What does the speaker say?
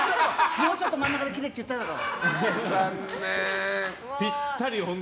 もうちょっと真ん中で切れって言ったでしょ。